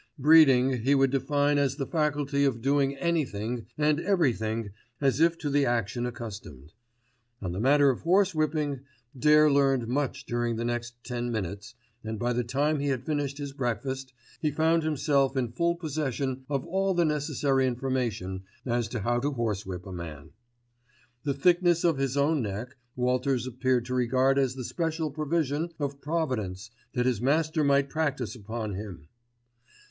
Breeding, he would define as the faculty of doing anything and everything as if to the action accustomed. On the matter of horsewhipping, Dare learned much during the next ten minutes, and by the time he had finished his breakfast he found himself in full possession of all the necessary information as to how to horsewhip a man. The thickness of his own neck, Walters appeared to regard as the special provision of providence that his master might practise upon him.